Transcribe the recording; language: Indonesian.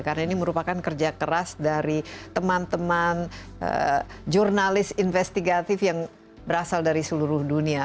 karena ini merupakan kerja keras dari teman teman jurnalis investigatif yang berasal dari seluruh dunia